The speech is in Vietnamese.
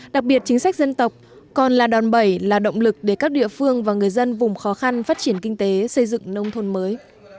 đặc biệt chính sách dân tộc còn là đòn bẩy là động lực để các địa phương và người dân vùng khó khăn phát triển kinh tế xây dựng nông thôn mới